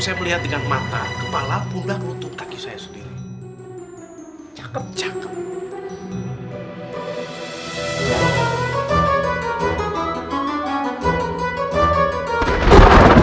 saya melihat dengan mata kepala pula menutup kaki saya sendiri cakep cakep